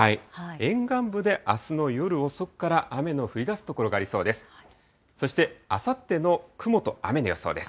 沿岸部であすの夜遅くから雨の降りだす所がありそうです。